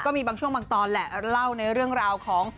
มีบางช่วงบางตอนแหละเล่าในเรื่องราวของ